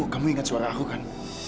kamu ingat suara aku kan